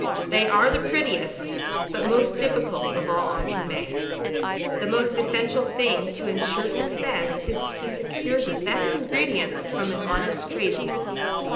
They are the prettiest, but most difficult of all entremets. The most essential thing to insure success is to secure the best ingredients from an honest tradesman.